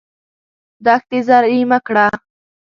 دښتې زرعي مه کړه.